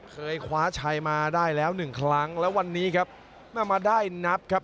เคยคว้าชัยมาได้แล้วหนึ่งครั้งแล้ววันนี้ครับแม่มาได้นับครับ